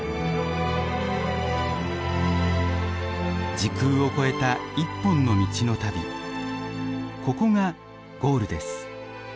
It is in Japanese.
時空を超えた一本の道の旅ここがゴールです。